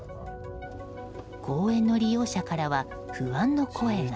公園の利用者からは不安の声が。